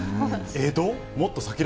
江戸？